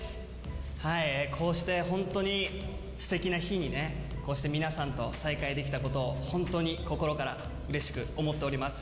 こうして本当にすてきな日にね、こうして皆さんと再会できたことを本当に心からうれしく思っております。